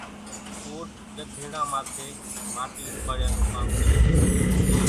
اوڏ ڳڌيڙان ماٿيَ ماٽِي اوپاڙِيا نون ڪام ڪريَ سي۔